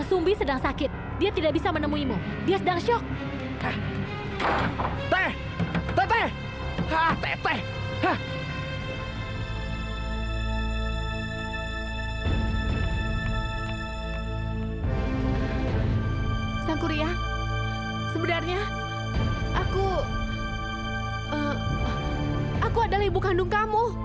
sampai jumpa di video selanjutnya